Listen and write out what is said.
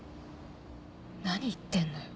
何言ってんのよ。